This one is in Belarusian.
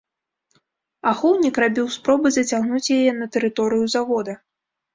Ахоўнік рабіў спробы зацягнуць яе на тэрыторыю завода.